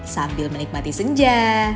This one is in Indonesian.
sambil menikmati senja